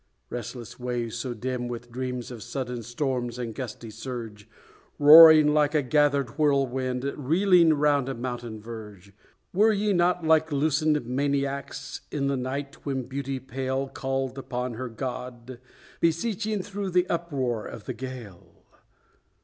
Restless waves, so dim with dreams of sudden storms and gusty surge, Roaring like a gathered whirlwind reeling round a mountain verge, Were ye not like loosened maniacs, in the night when Beauty pale Called upon her God, beseeching through the uproar of the gale?